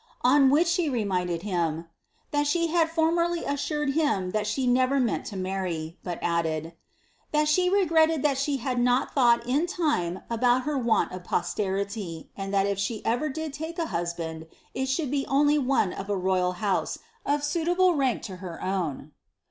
On which she reminded him, ^ that she had formerly assured him that she never meant to marry," but added, ^ that she regretted that she had not thought in time about her want of posterity, and that if she ever did take a husband, it should be only one of a royal house, of suitable lank to her own."